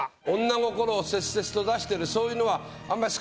女心を切々と出してるそういうのはあんまり。